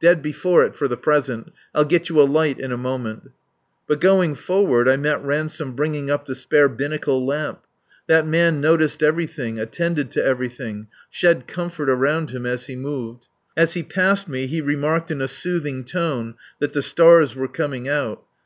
"Dead before it for the present. I'll get you a light in a moment." But going forward I met Ransome bringing up the spare binnacle lamp. That man noticed everything, attended to everything, shed comfort around him as he moved. As he passed me he remarked in a soothing tone that the stars were coming out.